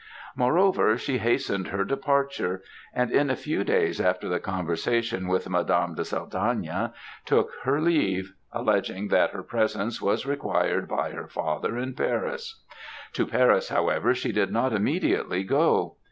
"Moreover, she hastened her departure; and in a few days after the conversation with Madama de Saldanha, took her leave; alleging, that her presence was required by her father, in Paris. To Paris, however, she did not immediately go.